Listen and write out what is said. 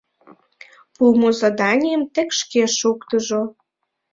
— Пуымо заданийым тек шке шуктыжо.